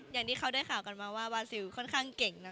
อย่างที่เขาได้ข่าวกันมาว่าวาซิลค่อนข้างเก่งนะคะ